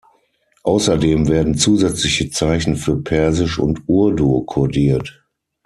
Außerdem werden zusätzliche Zeichen für Persisch und Urdu kodiert.